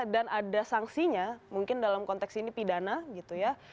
dan ada sanksinya mungkin dalam konteks ini pidana gitu ya